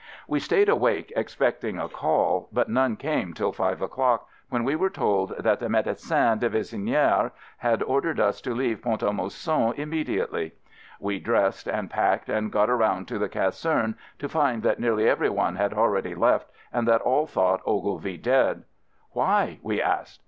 We stayed awake, expecting a call, but none came till five o'clock, when we were told that the "medecin division naire " had ordered us to leave Pont a Mousson immediately. We dressed and packed and got around to the caserne to find that nearly every one had already left and that all thought Ogilvie dead. " Why?" we asked.